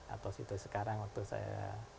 atau situ sekarang waktu saya